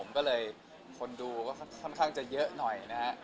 คนดูค่อนข้างจะเยอะหน่อย